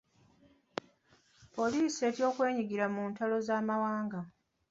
Poliisi etya okwenyigira mu ntalo z'amawanga.